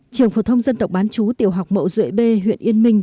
trường phổ thông dân tộc bán chú tiểu học mậu duệ b huyện yên minh